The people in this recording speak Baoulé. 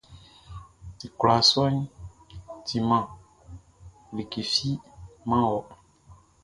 I kwlaa sɔʼn timan like fi man wɔ.